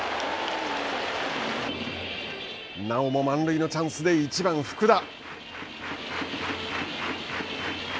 なおも満塁のチャンスで１番福田。